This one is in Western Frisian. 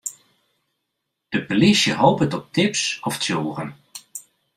De polysje hopet op tips of tsjûgen.